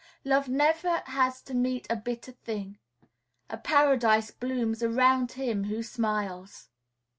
Love never has to meet a bitter thing; A paradise blooms around him who smiles."